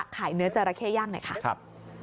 ขายเนื้อเจอระเข้ย่างนะครับ